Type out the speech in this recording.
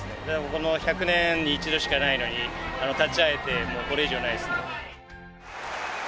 この１００年に一度しかないのに立ち会えて、もうこれ以上ないですね。